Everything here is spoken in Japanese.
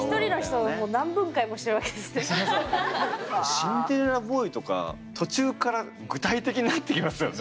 「シンデレラボーイ」とか途中から具体的になってきますよね。